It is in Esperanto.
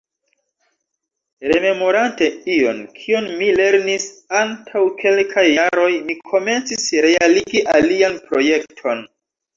Rememorante ion, kion mi lernis antaŭ kelkaj jaroj, mi komencis realigi alian projekton.